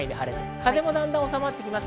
風もだんだん収まってきます。